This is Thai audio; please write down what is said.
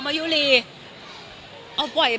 มันก็เป็นความสุขเล็กน้อยของป้าเนาะ